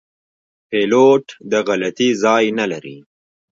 پیلوټ د غلطي ځای نه لري.